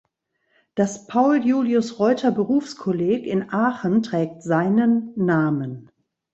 Das Paul-Julius-Reuter-Berufskolleg in Aachen trägt seinen Namen.